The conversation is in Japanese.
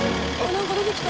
なんか出てきた！